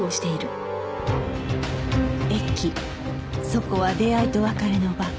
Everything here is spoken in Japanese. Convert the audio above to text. そこは出会いと別れの場